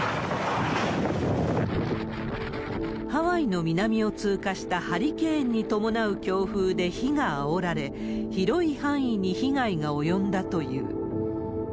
ハワイの南を通過したハリケーンに伴う強風で火があおられ、広い範囲に被害が及んだという。